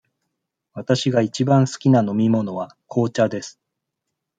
わたしがいちばん好きな飲み物は紅茶です。